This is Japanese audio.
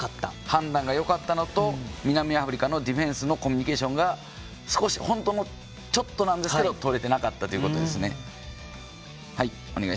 判断がよかったのと南アフリカのディフェンスのコミュニケーションが少し、本当、ちょっとなんですがとれてなかったということですね。